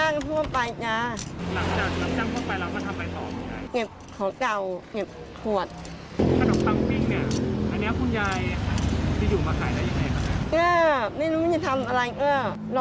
น้ำปังน้ำเบียบน้ำเบียบน้ำเบียบ